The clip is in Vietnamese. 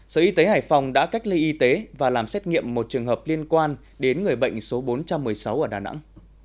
sở y tế hải phòng đã cách ly y tế và làm xét nghiệm một trường hợp liên quan đến người bệnh số bốn trăm một mươi sáu ở đà nẵng